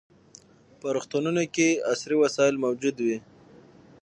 په روغتونونو کې عصري وسایل موجود وي.